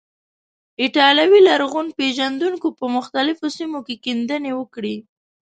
ایټالوي لرغون پیژندونکو په مختلفو سیمو کې کیندنې وکړې.